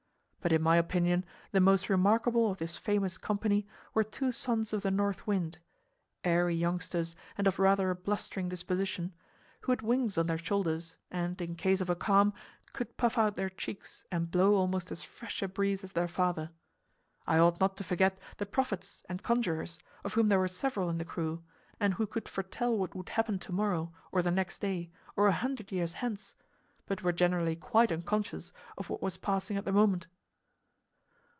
But in my opinion, the most remarkable of this famous company were two sons of the North Wind (airy youngsters, and of rather a blustering disposition), who had wings on their shoulders, and, in case of a calm, could puff out their cheeks and blow almost as fresh a breeze as their father. I ought not to forget the prophets and conjurers, of whom there were several in the crew, and who could foretell what would happen tomorrow, or the next day, or a hundred years hence, but were generally quite unconscious of what was passing at the moment.